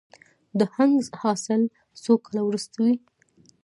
د هنګ حاصل څو کاله وروسته وي؟